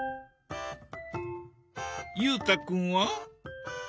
裕太君は？